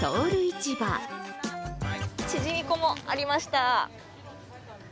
チヂミ粉もありました。